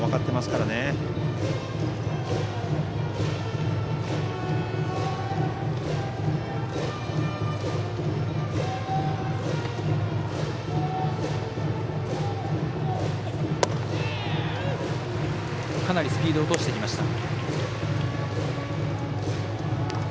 かなりスピードを落としてきました。